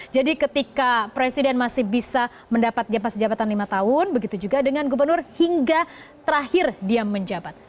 jadi ketika presiden masih bisa mendapat jembatan lima tahun begitu juga dengan gubernur hingga terakhir dia menjabat